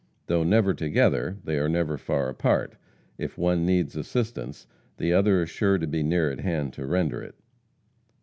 Though never together, they are never far apart. If one needs assistance the other is sure to be near at hand to render it.